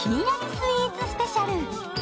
スイーツスペシャル。